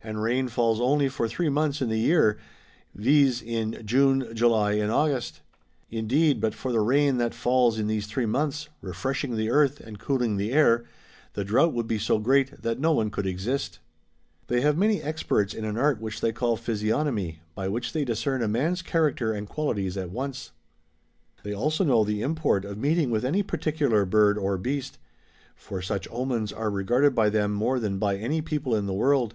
And rain falls only for three months in the year, viz., in June, July, and August. Indeed but for the rain that falls in these three months, refreshing the earth and cooling the air, the drought would be so great that no one could exist.'^ They have many experts in an art which they call Phy siognomy, by which they discern a man's character and qualities at once. They also know the import of meeting with any particular bird or beast ; for such omens are regarded by them more than by any people in the world.